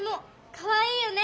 かわいいよね！